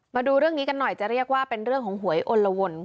มาดูเรื่องนี้กันหน่อยจะเรียกว่าเป็นเรื่องของหวยอลละวน